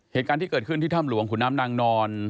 เหตุการณ์ที่เกิดขึ้นที่ถ้ำหลวงขุนน้ำนางนอน